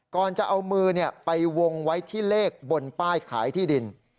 ก่อนจะเอามือไปวงไว้ที่เลขบนป้ายขายที่ดิน